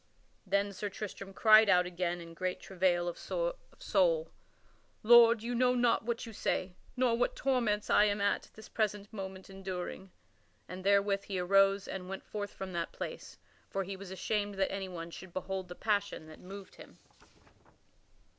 Then Sir Tristram cried out again in great travail of soul: "Lord, you know not what you say, nor what torments I am at this present moment enduring." And therewith he arose and went forth from that place, for he was ashamed that anyone should behold the passion that moved him.